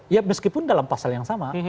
ya meskipun dalam pasal yang sama